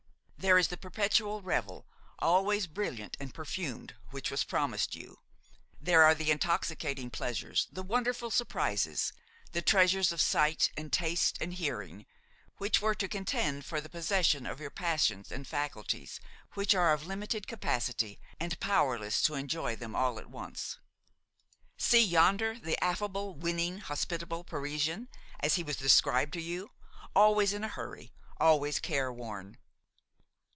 There is the perpetual revel, always brilliant and perfumed, which was promised you; there are the intoxicating pleasures, the wonderful surprises, the treasures of sight and taste and hearing which were to contend for the possession of your passions and faculties, which are of limited capacity and powerless to enjoy them all at once! See, yonder, the affable, winning, hospitable Parisian, as he was described to you, always in a hurry, always careworn!